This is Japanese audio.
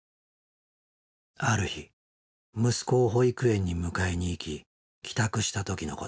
ある日息子を保育園に迎えに行き帰宅した時のこと。